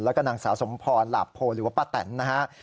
แล้วก็นางสาวสมพรหลาบโพหรือว่าป้าแตนนะฮะ